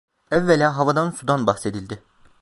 Evvela havadan, sudan bahsedildi.